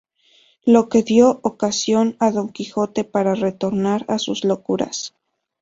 I.- Lo que dio ocasión a don Quijote para retornar a sus locuras.